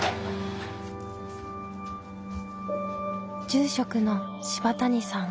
住職の柴谷さん。